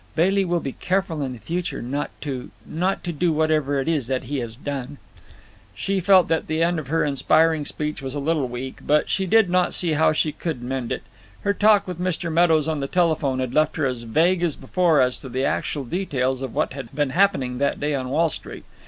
Bailey will be careful in future not to—not to do whatever it is that he has done." She felt that the end of her inspiring speech was a little weak, but she did not see how she could mend it. Her talk with Mr. Meadows on the telephone had left her as vague as before as to the actual details of what had been happening that day in Wall Street.